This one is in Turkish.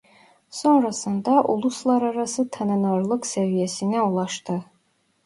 Sonrasında uluslararası tanınırlık seviyesine ulaştı.